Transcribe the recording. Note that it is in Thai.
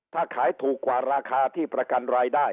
ถ้าขายถูกกว่าราคาที่ประกันรายได้